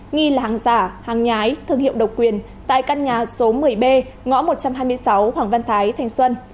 nghi là hàng giả hàng nhái thương hiệu độc quyền tại căn nhà số một mươi b ngõ một trăm hai mươi sáu hoàng văn thái thành xuân